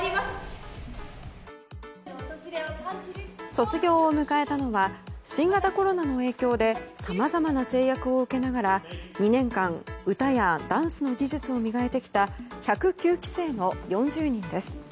卒業を迎えたのは新型コロナの影響でさまざまな制約を受けながら２年間歌やダンスの技術を磨いてきた１０９期生の４０人です。